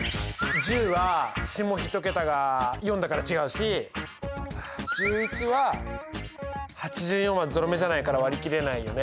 １０は下１桁が４だから違うし１１は８４はゾロ目じゃないから割り切れないよね。